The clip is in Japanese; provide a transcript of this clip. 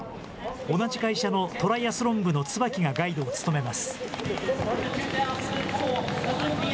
同じ会社のトライアスロン部の椿がガイドを務めます。